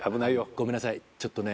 ごめんなさいちょっとね。